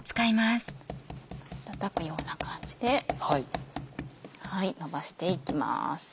押したたくような感じでのばしていきます。